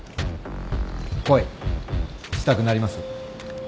恋したくなります？